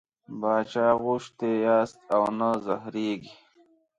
باچا غوښتي یاست او نه زهرېږئ.